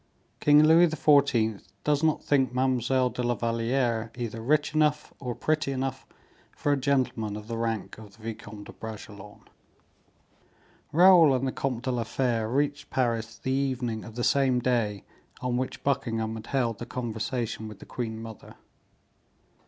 King Louis XIV. does not think Mademoiselle de la Valliere either rich enough or pretty enough for a Gentleman of the Rank of the Vicomte de Bragelonne. Raoul and the Comte de la Fere reached Paris the evening of the same day on which Buckingham had held the conversation with the queen mother.